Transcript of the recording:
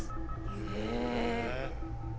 へえ。